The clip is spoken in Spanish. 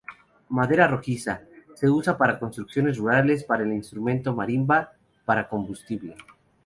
Madera rojiza, se usa para construcciones rurales, para el instrumento marimba, para combustible.